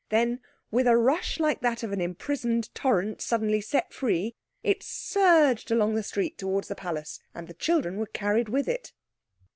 Then, with a rush like that of an imprisoned torrent suddenly set free, it surged along the street towards the palace, and the children were carried with it.